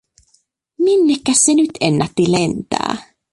Minnekäs se nyt ennätti lentää?